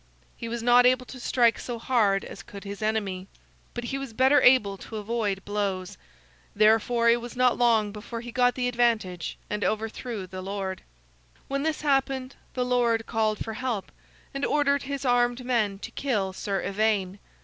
He was not able to strike so hard as could his enemy, but he was better able to avoid blows. Therefore it was not long before he got the advantage and overthrew the lord. When this happened, the lord called for help, and ordered his armed men to kill Sir Ivaine.